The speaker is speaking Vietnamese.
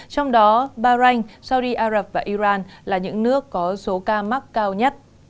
trong đó bahrain saudi arabia và iran là những nước có số ca mắc cao nhất